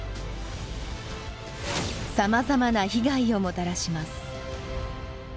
さまざまな被害をもたらします。